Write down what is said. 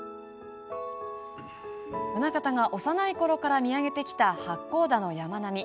棟方が幼いころから見上げてきた八甲田の山並み。